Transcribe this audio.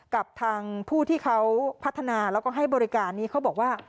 กับทางผู้ที่เขาพัฒนาแล้วก็ให้บริการนี้เขาบอกว่า